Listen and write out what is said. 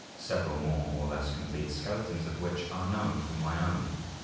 15Q; 163, A), several more or less complete skeletons of which are known from Wyoming.